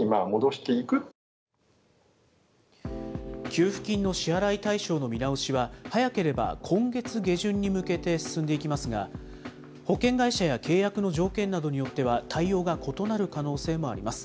給付金の支払い対象の見直しは、早ければ今月下旬に向けて進んでいきますが、保険会社や契約の条件などによっては、対応が異なる可能性もあります。